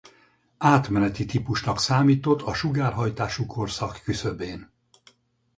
Átmeneti típusnak számított a sugárhajtású korszak küszöbén.